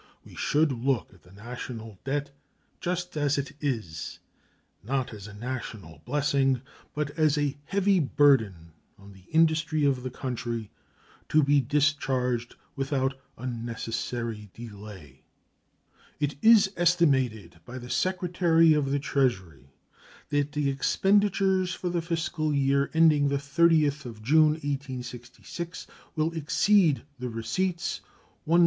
We should look at the national debt just as it is not as a national blessing, but as a heavy burden on the industry of the country, to be discharged without unnecessary delay. It is estimated by the Secretary of the Treasury that the expenditures for the fiscal year ending the 30th of June, 1866, will exceed the receipts $112,194,947.